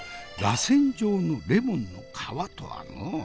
螺旋状のレモンの皮とはのう。